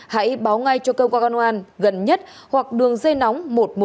hãy báo ngay cho cơ quan công an gần nhất hoặc đường dây nóng một trăm một mươi hai